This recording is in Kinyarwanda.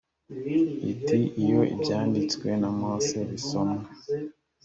iti iyo ibyanditswe na mose bisomwa